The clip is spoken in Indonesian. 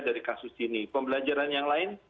dari kasus ini pembelajaran yang lain